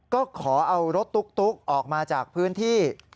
ก็ขอเอารถตุ๊กออกมาจากพื้นที่